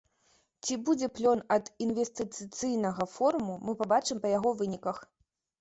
Ці будзе плён ад інвестыцыйнага форуму, мы пабачым па яго выніках.